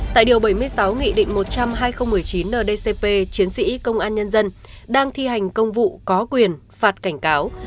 tại điều bảy mươi sáu nghị định một trăm linh hai nghìn một mươi chín ndcp chiến sĩ công an nhân dân đang thi hành công vụ có quyền phạt cảnh cáo